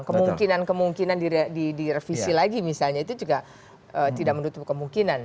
kemungkinan kemungkinan direvisi lagi misalnya itu juga tidak menutup kemungkinan